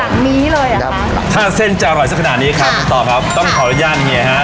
หลังนี้เลยอะครับถ้าเส้นจะอร่อยสักขนาดนี้ครับต้องขออนุญาตเฮียฮะ